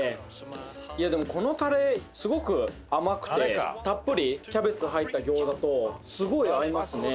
いやでもこのタレすごく甘くてたっぷりキャベツ入った餃子とすごい合いますね。